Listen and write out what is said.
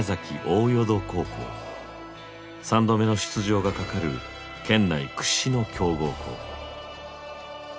３度目の出場が懸かる県内屈指の強豪校。